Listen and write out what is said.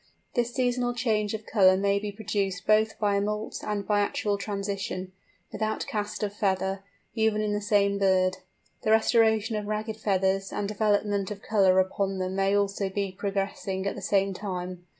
This seasonal change of colour may be produced both by a moult and by actual transition, without cast of feather, even in the same bird: the restoration of ragged feathers and development of colour upon them may also be progressing at the same time.